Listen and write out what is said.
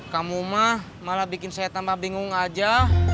kamu mah malah bikin saya tambah bingung aja